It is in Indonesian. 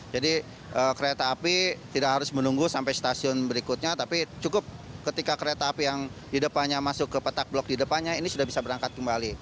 jadi kereta api tidak harus menunggu sampai stasiun berikutnya tapi cukup ketika kereta api yang di depannya masuk ke petak blok di depannya ini sudah bisa berangkat kembali